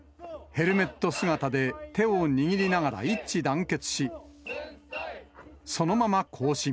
ヘルメット姿で手を握りながら一致団結し、そのまま行進。